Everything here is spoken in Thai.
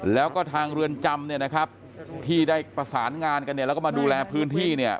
แล้วก็ทางเรือนจำที่ได้ประสานงานกันแล้วก็มาดูแลพื้นที่